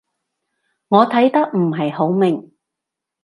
我睇得唔係好明